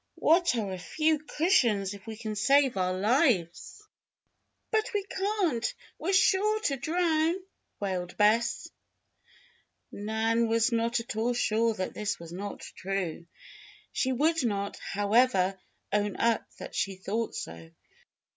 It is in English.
"What are a few cushions if we can save our lives?" "But we can't! We're sure to drown!" wailed Bess. Nan was not at all sure that this was not true. She would not, however, own up that she thought so.